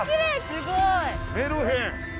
すごい！メルヘン！